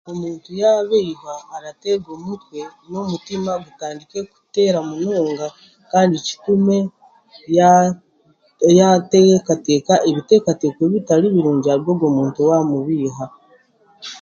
Omuntu y'abeiha arateerwa omutwe n'omutiima gutandiike kuteera munonga kandi kitume yatekateeka ebitekateeko bitari birungi ahari ogw'omuntu owa mubeiha.